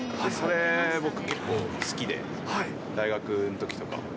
それ、僕、結構好きで、大学のときとか。